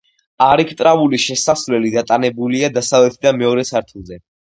არქიტრავული შესასვლელი დატანებულია დასავლეთიდან, მეორე სართულზე.